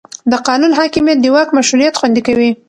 د قانون حاکمیت د واک مشروعیت خوندي کوي